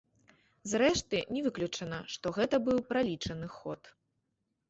Зрэшты, не выключана, што гэта быў пралічаны ход.